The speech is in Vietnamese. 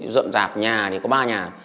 rậm rạp nhà thì có ba nhà